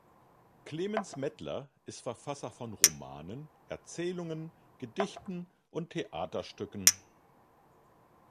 Clemens Mettler ist Verfasser von Romanen, Erzählungen, Gedichten und Theaterstücken.